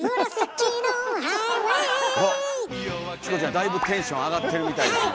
だいぶテンション上がってるみたいですね。